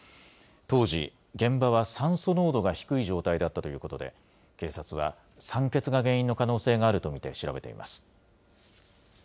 当時、現場は酸素濃度が低い状態だったということで、警察は酸欠が原因の可能性があると見て調べています。